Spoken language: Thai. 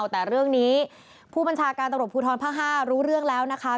แต่เรื่องนี้ผู้บัญชาการตำรวจภูทรภาค๕รู้เรื่องแล้วนะคะ